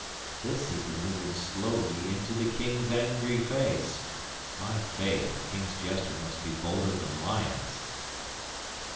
'This he delivered slowly into the King's angry face! My faith, a King's jester must be bolder than lions!